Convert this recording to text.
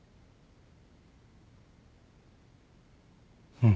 うん。